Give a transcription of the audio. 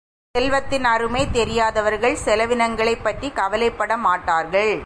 செல்வத்தின் அருமை தெரியாதவர்கள் செலவினங்களைப் பற்றி கவலைப்பட மாட்டார்கள்.